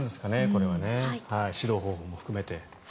これはね指導方法も含めて。